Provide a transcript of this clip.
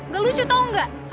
gak lucu tau enggak